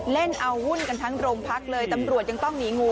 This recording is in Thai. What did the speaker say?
เล่นเอาหุ้นกันทั้งโรงพักเลยตำรวจยังต้องหนีงู